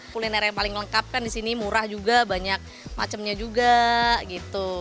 kuliner yang paling lengkap kan disini murah juga banyak macemnya juga gitu